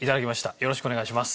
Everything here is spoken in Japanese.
よろしくお願いします。